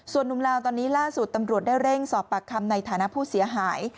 ส่วนนุ่มลาวตอนนี้ล่าสุดตำรวจได้เร่งสอบปากคำในฐานะผู้เสียหาย